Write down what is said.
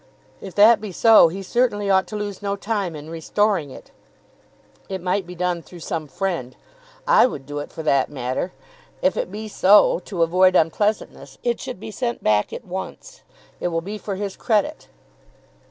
If that be so he certainly ought to lose no time in restoring it. It might be done through some friend. I would do it for that matter. If it be so, to avoid unpleasantness, it should be sent back at once. It will be for his credit."